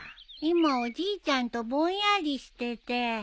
今おじいちゃんとぼんやりしてて。